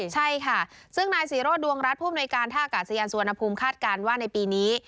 ใช่ค่ะซึ่งนายศิรษฐ์ดวงรัฐผู้บริการท่ากาศยานสวนภูมิคาดการณ์ว่าในปีนี้